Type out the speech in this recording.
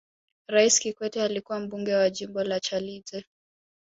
raisi kikwete alikuwa mbunge wa jimbo la chalinze